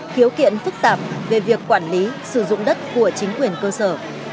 khiếu kiện phức tạp về việc quản lý sử dụng đất của chính quyền cơ sở